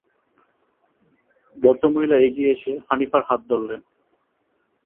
ভদ্রমহিলা এগিয়ে এসে হানিফার হাত ধরলেন।